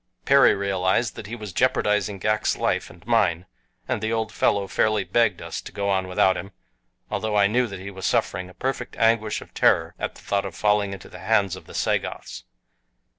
Perry realized that he was jeopardizing Ghak's life and mine and the old fellow fairly begged us to go on without him, although I knew that he was suffering a perfect anguish of terror at the thought of falling into the hands of the Sagoths.